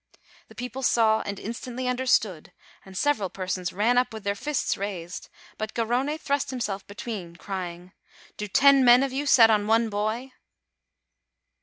The people saw, and instantly understood, and several per sons ran up with their fists raised; but Garrone thrust himself between, crying: "Do ten men of you set on one boy?"